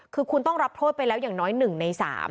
คือคุณต้องรับโทษไปแล้วอย่างน้อย๑ใน๓